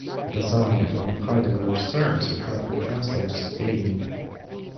Dasein is one of Heidegger's terms which roughly translates to 'being'.